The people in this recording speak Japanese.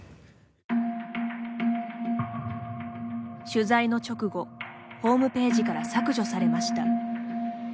取材の直後、ホームページから削除されました。